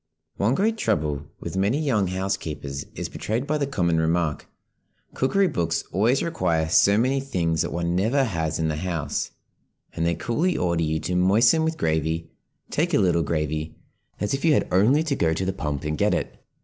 ONE great trouble with many young housekeepers is betrayed by the common remark, "Cookery books always require so many things that one never has in the house, and they coolly order you to 'moisten with gravy,' 'take a little gravy,' as if you had only to go to the pump and get it."